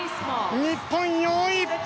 日本は４位。